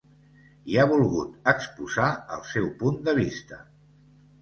I ha volgut exposar el seu punt de vista.